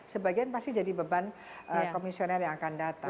sebagian pasti jadi beban komisioner yang akan datang